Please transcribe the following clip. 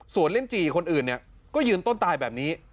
ส่วนเล่นจีคนอื่นเนี่ยก็ยืนต้นตายแบบนี้